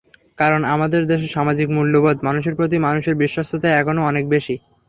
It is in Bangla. কারণ, আমাদের দেশের সামাজিক মূল্যবোধ, মানুষের প্রতি মানুষের বিশ্বস্ততা এখনো অনেক বেশি।